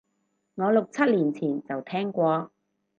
我六七年前就聽過